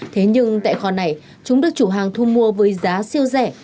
thế nhưng tại kho này chúng được chủ hàng thu mua với giá siêu rẻ